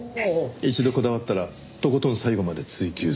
一度こだわったらとことん最後まで追求する。